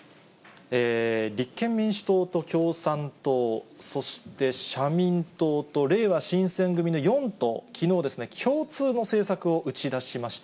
立憲民主党と共産党、そして社民党とれいわ新選組の４党、きのう、共通の政策を打ち出しました。